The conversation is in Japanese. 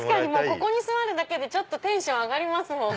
ここに座るだけでテンション上がりますもん。